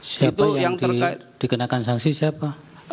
siapa yang dikenakan sanksi siapa